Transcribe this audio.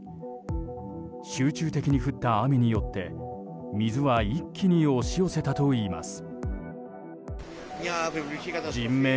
集中的に降った雨によって、水は一気に押し寄せたといいます。